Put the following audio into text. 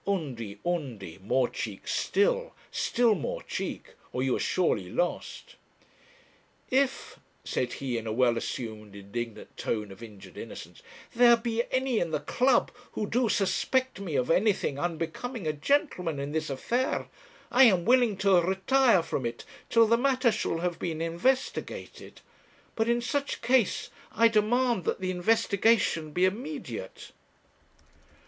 Undy, Undy, more cheek still, still more cheek, or you are surely lost. 'If,' said he, in a well assumed indignant tone of injured innocence, 'there be any in the club who do suspect me of anything unbecoming a gentleman in this affair, I am willing to retire from it till the matter shall have been investigated; but in such case I demand that the investigation be immediate.'